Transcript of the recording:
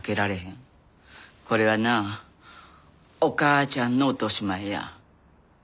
これはなお母ちゃんの落とし前や。